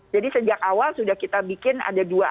jadi sejak awal sudah kita bikin ada dua alur